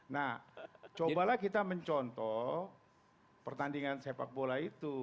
nah cobalah kita mencontoh pertandingan sepak bola itu